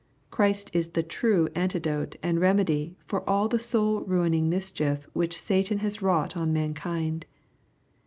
Christ is the true antidote and remedy for all the soul ruining mischief which Satan has wrought on mankind.